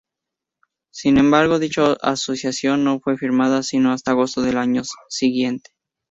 Sin embargo, dicha asociación no fue firmada sino hasta agosto del siguiente año.